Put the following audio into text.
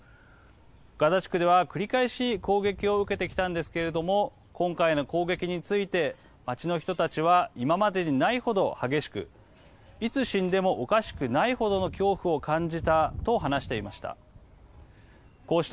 ガザ地区では繰り返し攻撃を受けてきたんですが今回の攻撃について町の人たちは今までにないほど激しくいつ死んでもおかしくないほどの恐怖を感じたと話していました。